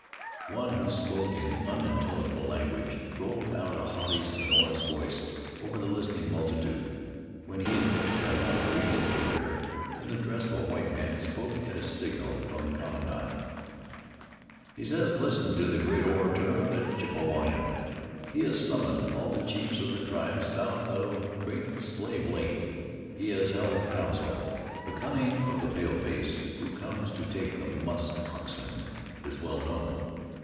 One who spoke in unintelligible language, rolled out a haughty, sonorous voice over the listening multitude. When he had finished, a half breed interpreter, in the dress of a white man, spoke at a signal from the commandant. "He says listen to the great orator of the Chippewayan. He has summoned all the chiefs of the tribes south of Great Slave Lake. He has held council. The cunning of the pale face, who comes to take the musk oxen, is well known.